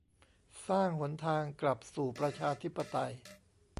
"สร้าง" หนทางกลับสู่ประชาธิปไตย